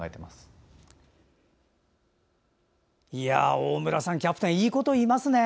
大村さん、キャプテンいいこと言いますね。